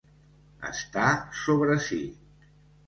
Estar sobre si.